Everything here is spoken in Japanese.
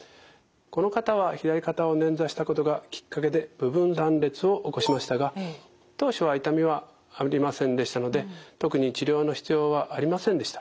この方は左肩を捻挫したことがきっかけで部分断裂を起こしましたが当初は痛みはありませんでしたので特に治療の必要はありませんでした。